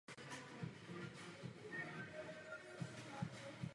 Jedná se o praktiku, kterou je třeba zakázat.